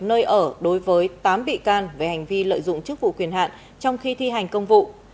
nơi ở đối với tám bị can về hành vi lợi dụng chức vụ quyền hạn trong khi thi hành công vụ